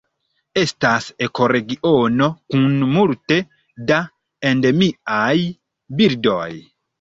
Estas ekoregiono kun multe da endemiaj birdoj.